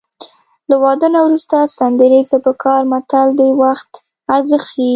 له واده نه وروسته سندرې څه په کار متل د وخت ارزښت ښيي